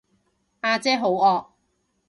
呀姐好惡